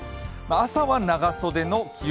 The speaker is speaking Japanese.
朝は長袖の気温。